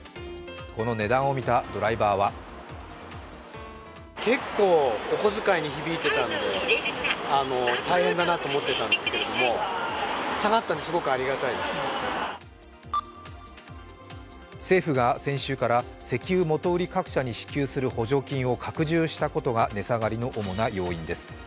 この値段を見たドライバーは政府が先週から石油元売り各社に支給する補助金を拡充したことが値下がりの主な要因です。